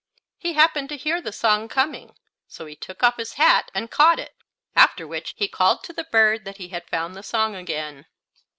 He happened to hear the song coming, so he took off his hat and caught it, after which he called to the bird that he had found the song again.